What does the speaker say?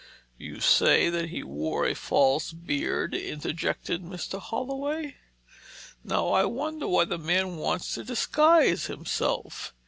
"You say that he wore a false beard?" interjected Mr. Holloway. "Now I wonder why the man wants to disguise himself?